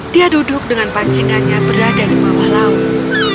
dia duduk dengan pancingannya berada di bawah laut